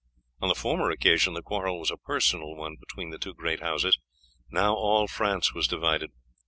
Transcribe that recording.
On the former occasion the quarrel was a personal one between the two great houses, now all France was divided.